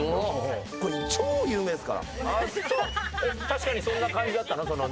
確かにそんな感じだったの？